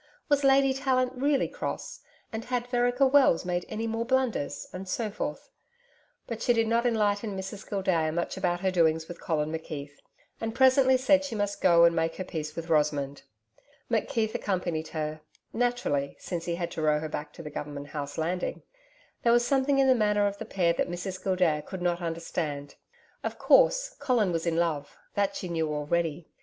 Was Lady Tallant really cross? and had Vereker Wells made any more blunders? and so forth. But she did not enlighten Mrs Gildea much about her doings with Colin McKeith, and presently said she must go and make her peace with Rosamond. McKeith accompanied her naturally, since he had to row her back to the Government House landing. There was something in the manner of the pair that Mrs Gildea could not understand. Of course, Colin was in love that she knew already.